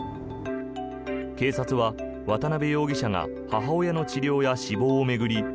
警察は、渡辺容疑者が母親の治療や死亡を巡り